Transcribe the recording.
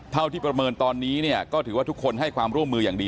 เท่าที่ประเมินตอนนี้เนี่ยก็ถือว่าทุกคนให้ความร่วมมืออย่างดี